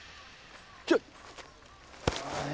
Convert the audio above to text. ちょっえ